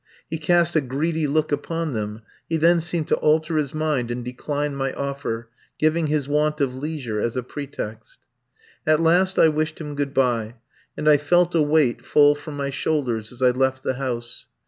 He cast a greedy look upon them; he then seemed to alter his mind, and declined my offer, giving his want of leisure as a pretext. At last I wished him good bye, and I felt a weight fall from my shoulders as I left the house.